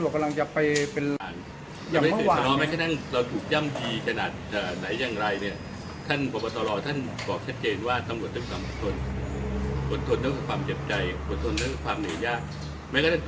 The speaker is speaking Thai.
ความผิดที่เราต้องรับภาพก็ไม่มีมาที่คุณจะทำผิด